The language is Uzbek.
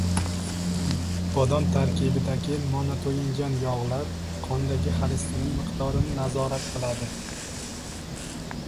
Bodom tarkibidagi monoto‘yingan yog‘lar, qondagi xolesterin miqdorini nazorat qiladi